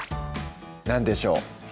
何でしょう？